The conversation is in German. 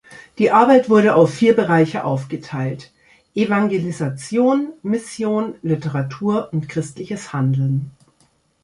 Die Arbeit wurde auf vier Bereiche aufgeteilt: Evangelisation, Mission, Literatur und christliches Handeln.